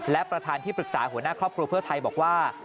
และประธานที่ปรึกษาหัวหน้าครอบครัวเพื่อไทยบอกว่า